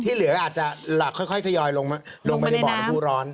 ที่เหลืออาจจะค่อยขยอยลงมาในบ่อนระบูร้อน